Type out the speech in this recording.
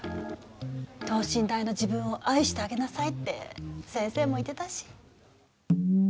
等身大の自分を愛してあげなさいって先生も言ってたし。